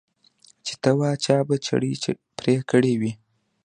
چې ته وا چا به په چړې پرې کړي وي.